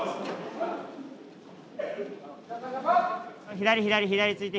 左左左ついて